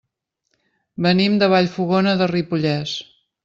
Venim de Vallfogona de Ripollès.